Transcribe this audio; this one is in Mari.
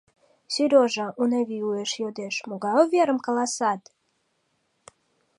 — Сережа, — Унавий уэш йодеш, — могай уверым каласат?